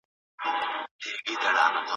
ما چي خوب لیدلی وو تعبیر یې ریشتیا کیږي